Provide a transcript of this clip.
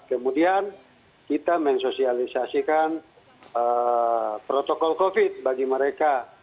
kemudian kita mensosialisasikan protokol covid sembilan belas bagi mereka